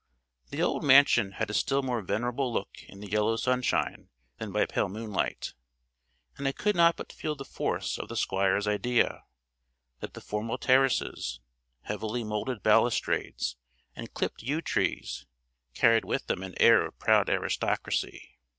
The old mansion had a still more venerable look in the yellow sunshine than by pale moonlight; and I could not but feel the force of the Squire's idea, that the formal terraces, heavily moulded balustrades, and clipped yew trees, carried with them an air of proud aristocracy.